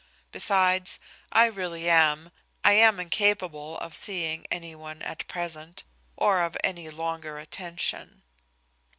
Besides, I really am I am incapable of seeing any one at present, or of any longer attention."